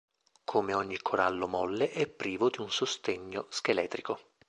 Come ogni corallo molle è privo di un sostegno scheletrico.